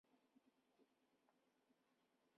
瓦朗斯人口变化图示